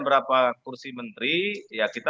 berapa kursi menteri ya kita